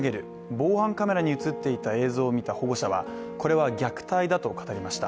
防犯カメラに映っていた映像を見た保護者はこれは虐待だと語りました。